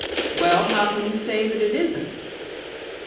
"Well, how can you say that it isn't?"